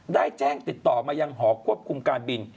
ได้แจ้งติดต่อมายังหอควบคุมการบิน